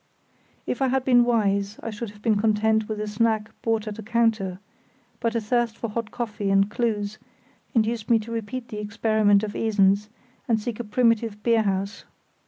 If I had been wise I should have been content with a snack bought at a counter, but a thirst for hot coffee and clues induced me to repeat the experiment of Esens and seek a primitive beer house.